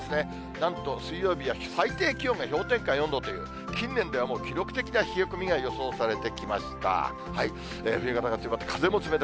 なんと水曜日は最低気温が氷点下４度という、近年では記録的な冷え込みが予想されてきました。